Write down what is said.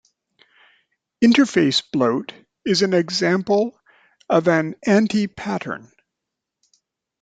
Interface bloat is an example of an anti-pattern.